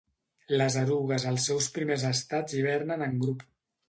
Les erugues als seus primers estats hivernen en grup.